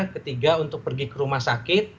ketiga untuk pergi ke rumah sakit